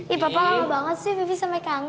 iya papa lama banget sih vivi sampe kangen